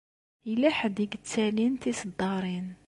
Yella ḥedd i yettalin tiseddaṛin.